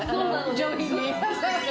上品に。